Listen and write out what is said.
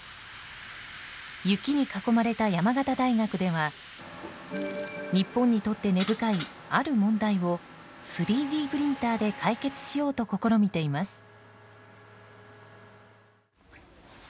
雪に囲まれた山形大学では日本にとって根深い、ある問題を３Ｄプリンターで解決しようと試みています。